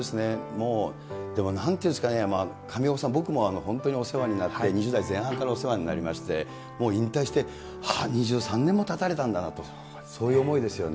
もう、でもなんていうんですかね、上岡さん、僕も本当にお世話になって、２０代前半からお世話になりまして、もう引退して、ああ、２３年もたたれたんだなと、そういう思いですよね。